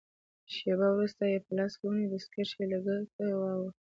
شېبه وروسته يې په لاس کې نیولې دستکشې له کټه ووهلې.